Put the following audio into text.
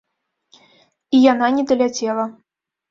І яна не даляцела.